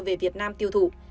về việt nam tiêu thụ